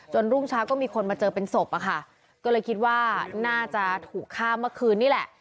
รุ่งเช้าก็มีคนมาเจอเป็นศพอะค่ะก็เลยคิดว่าน่าจะถูกฆ่าเมื่อคืนนี่แหละ